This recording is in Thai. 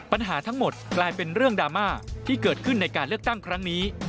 ปัญหาทั้งหมดกลายเป็นเรื่องดราม่าที่เกิดขึ้นในการเลือกตั้งครั้งนี้